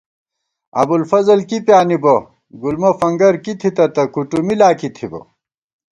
ابُوالفضل کی پیانِبہ ،گُلمہ فنگر کی تھِتہ تہ کُوٹُومی لا کی تھِبہ